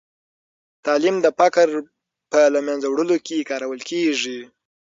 تعلیم د فقر په له منځه وړلو کې کارول کېږي.